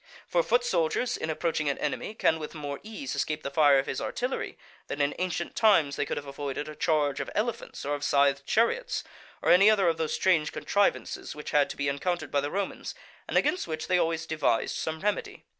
For foot soldiers, in approaching an enemy, can with more ease escape the fire of his artillery than in ancient times they could have avoided a charge of elephants or of scythed chariots, or any other of those strange contrivances which had to be encountered by the Romans, and against which they always devised some remedy.